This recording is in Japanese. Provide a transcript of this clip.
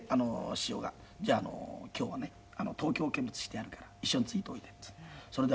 師匠が「じゃあ今日はね東京見物してやるから一緒についておいで」って言うんで。